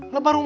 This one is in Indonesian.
lu baru mau